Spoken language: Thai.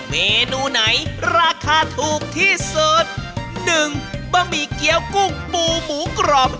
เมนูไหนราคาถูกที่สุดหนึ่งบะหมี่เกี้ยวกุ้งปูหมูกรอบ